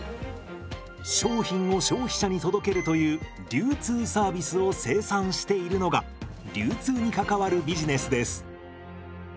商品を消費者に届けるという流通サービスを生産しているのが流通に関わるビジネスです。